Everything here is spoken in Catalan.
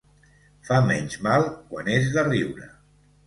Fa menys mal quan és de riure.